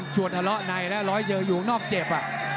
ส่วนอละในแล้วรอให้เชอร์อยู่นอกเจ็บ